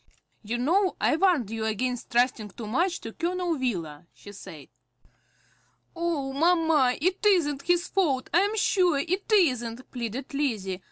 "You know I warned you against trusting too much to Colonel Wheeler," she said. "Oh, mamma, it isn't his fault, I am sure it isn't," pleaded Lizzie.